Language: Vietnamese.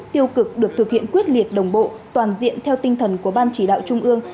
tiêu cực được thực hiện quyết liệt đồng bộ toàn diện theo tinh thần của ban chỉ đạo trung ương